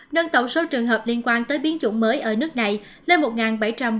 nâng tổng số trường hợp liên quan tới biến chủng mới ở nước này lên một bảy trăm một mươi